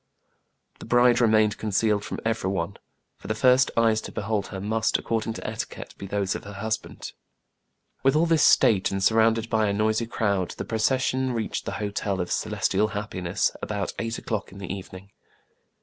The bride re mained concealed from every one ; for the first A SURPRISE FOR KIN FO, 173 eyes to behold her must, according to etiquette, be those of her husband. With all this state, and surrounded by a noisy crowd, the procession reached the Hotel of Ce lestial Happiness about eight o'clock in the even ing.